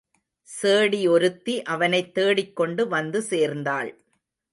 சேடி ஒருத்தி அவனைத் தேடிக்கொண்டு வந்து சேர்ந்தாள்.